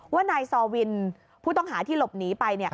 ว่านายซอวินผู้ต้องหาที่หลบหนีไป